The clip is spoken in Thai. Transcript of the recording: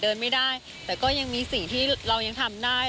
เดินไม่ได้แต่ก็ยังมีสิ่งที่เรายังทำได้